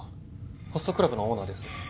ホストクラブのオーナーです。